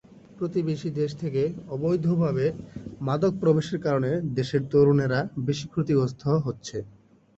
প্রতিবেশী দেশ থেকে অবৈধভাবে মাদক প্রবেশের কারণে দেশের তরুণেরা বেশি ক্ষতিগ্রস্ত হচ্ছে।